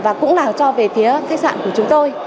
và cũng là cho về phía khách sạn của chúng tôi